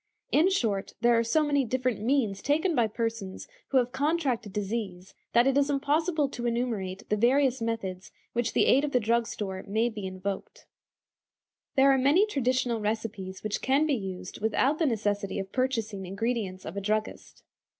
In short, there are so many different means taken by persons who have contracted disease that it is impossible to enumerate the various methods in which the aid of the drug store may be invoked. There are many traditional recipes which can be used without the necessity of purchasing ingredients of a druggist.